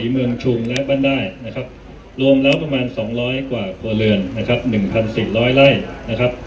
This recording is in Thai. เมืองชุมและบ้านได้นะครับรวมแล้วประมาณ๒๐๐กว่าครัวเรือนนะครับ๑๔๐๐ไร่นะครับ